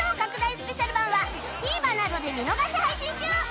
スペシャル版は ＴＶｅｒ などで見逃し配信中！